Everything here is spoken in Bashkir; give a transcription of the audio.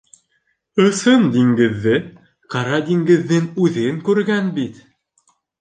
Ысын диңгеҙҙе, Ҡара диңгеҙҙең үҙен күргән бит...